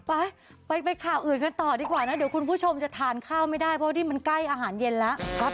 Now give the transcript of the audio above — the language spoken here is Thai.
ไปไปข่าวอื่นกันต่อดีกว่านะเดี๋ยวคุณผู้ชมจะทานข้าวไม่ได้เพราะนี่มันใกล้อาหารเย็นแล้ว